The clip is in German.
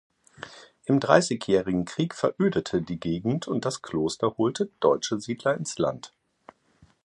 Im Dreißigjährigen Krieg verödete die Gegend und das Kloster holte deutsche Siedler ins Land.